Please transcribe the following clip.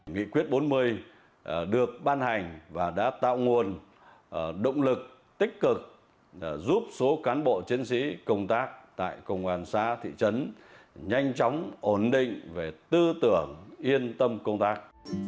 nghị quyết bốn mươi được ban hành và đã tạo nguồn động lực tích cực giúp số cán bộ chiến sĩ công tác tại công an xã thị trấn nhanh chóng ổn định về tư tưởng yên tâm công tác